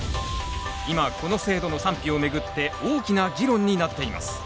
今この制度の賛否をめぐって大きな議論になっています。